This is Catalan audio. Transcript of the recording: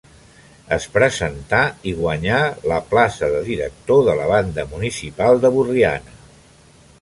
Es presentà, i guanyà, la plaça de director de la banda municipal de Borriana.